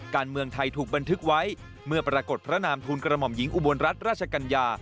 การเมืองไทยถูกบันทึกไว้เมื่อปรากฏพระนามทูลกระหม่อมหญิงอุบลรัฐราชกัญญา